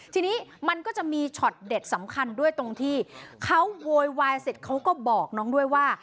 ทีนี้มันก็จะมีช็อตเด็ดสำคัญด้วยตรงที่เขาโวยวายเสร็จเขาก็บอกน้องด้วยว่า